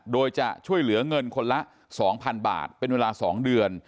โดยจะช่วยเหลือเงินคนละ๒๐๐๐บาทเป็นเวลา๒เดือน